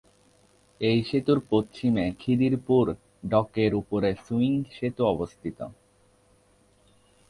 এই সেতুর পশ্চিমে খিদিরপুর ডকের উপরে সুইং সেতু অবস্থিত।